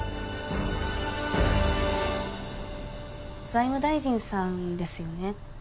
財務大臣さんですよね？